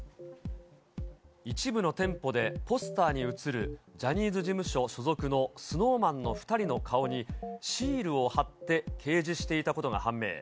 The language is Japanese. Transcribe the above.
一部の店舗でポスターに写るジャニーズ事務所所属のＳｎｏｗＭａｎの２人の顔に、シールを貼って掲示していたことが判明。